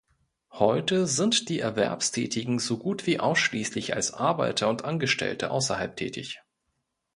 Heute sind die Erwerbstätigen so gut wie ausschließlich als Arbeiter und Angestellte außerhalb tätig.